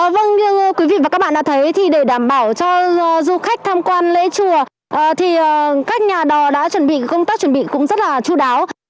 vâng như quý vị và các bạn đã thấy thì để đảm bảo cho du khách tham quan lễ chùa thì các nhà đò đã chuẩn bị công tác chuẩn bị cũng rất là chú đáo